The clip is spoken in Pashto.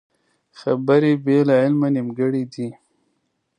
خبرې بې له عمله نیمګړې دي